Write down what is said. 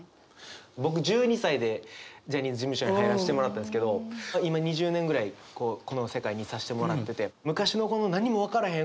僕１２歳でジャニーズ事務所に入らしてもらったんですけど今２０年ぐらいこの世界にいさしてもらってて昔のこの何も分からへん。